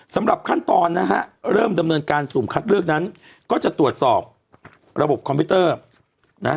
สำหรับขั้นตอนนะฮะเริ่มดำเนินการสุ่มคัดเลือกนั้นก็จะตรวจสอบระบบคอมพิวเตอร์นะ